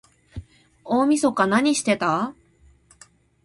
大晦日なにしてた？